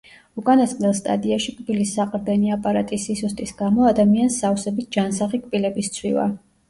უკანასკნელ სტადიაში კბილის საყრდენი აპარატის სისუსტის გამო ადამიანს სავსებით ჯანსაღი კბილები სცვივა.